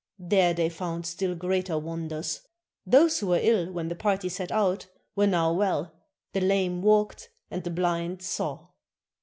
There they found still greater wonders ! Those who were ill when the party set out were now well, the lame walked and the blind saw!